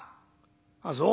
「ああそう。